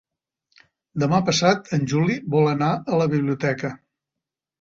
Demà passat en Juli vol anar a la biblioteca.